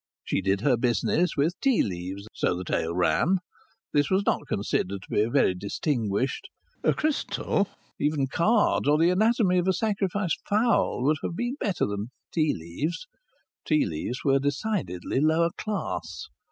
She did her business with tea leaves: so the tale ran. This was not considered to be very distinguished. A crystal, or even cards, or the anatomy of a sacrificed fowl, would have been better than tea leaves; tea leaves were decidedly lower class.